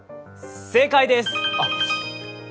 正解です。